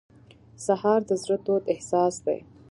سهار د زړه تود احساس دی.